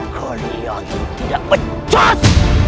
kali yang tidak pecas